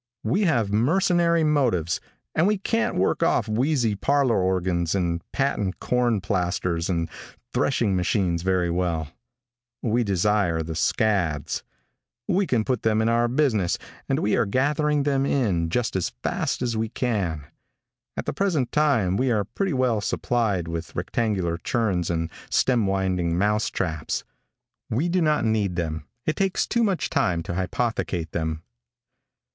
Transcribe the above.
We have mercenary motives, and we can't work off wheezy parlor organs and patent corn plasters and threshing machines very well. We desire the scads. We can use them in our business, and we are gathering them in just as fast as we can. At the present time we are pretty well supplied with rectangular churns and stem winding mouse traps. We do not need them, It takes too much time to hypothecate them.